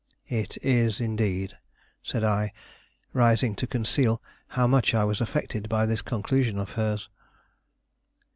"It is, indeed," said I, rising to conceal how much I was affected by this conclusion of hers.